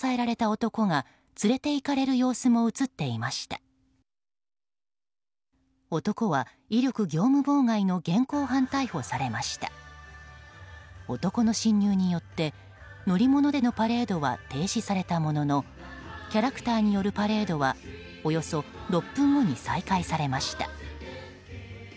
男の侵入によって乗り物でのパレードは停止されたもののキャラクターによるパレードはおよそ６分後に再開されました。